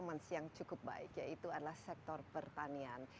dan ada satu sektor yang cukup baik yaitu adalah sektor pertanian